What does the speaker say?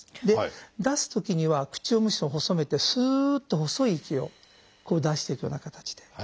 で出すときには口をむしろ細めてすっと細い息を出していくような形で。